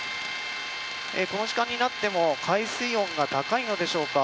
この時間になっても海水温が高いのでしょうか